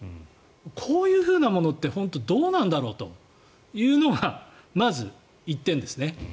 こういうふうなものって本当、どうなんだろうというのがまず１点ですね。